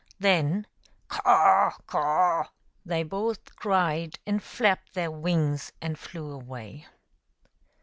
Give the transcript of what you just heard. Then, " Caw ! caw !" they both cried, and flapped their wings and flew away.